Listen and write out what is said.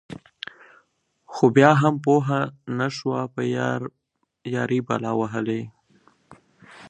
خو بيا هم پوهه نشوه په يــارۍ بلا وهــلې.